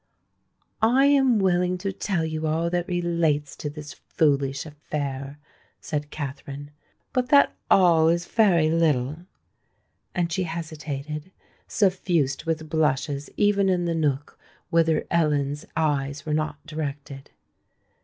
"I am willing to tell you all that relates to this foolish affair," said Katherine; "but that all is very little." And she hesitated,—suffused with blushes even in the nook whither Ellen's eyes were not directed!